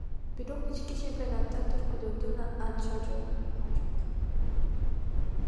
Бирок ички чемпионатта түлкүлөрдүн анча жолу болгон жок.